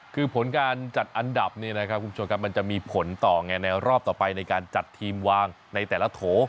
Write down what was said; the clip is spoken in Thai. คือผลการจัดอันดับเนี่ยนะครับคุณผู้ชมครับมันจะมีผลต่อไงในรอบต่อไปในการจัดทีมวางในแต่ละโถ